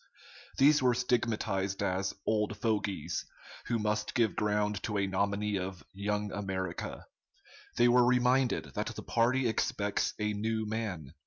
These were stigmatized as "old fogies," who must give ground to a nominee of "Young America." They were reminded that the party expects a "new man."